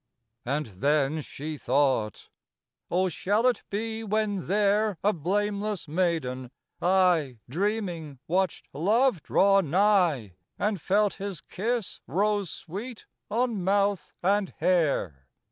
And then she thought: "Oh, shall it be when there, A blameless maiden, I, Dreaming, watched love draw nigh, And felt his kiss rose sweet on mouth and hair?